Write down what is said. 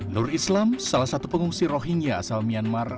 nur islam salah satu pengungsi rohingya asal myanmar